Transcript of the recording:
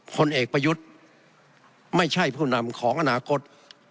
ผลเอกประยุทธ์ไม่ใช่ผู้นำของอนาคต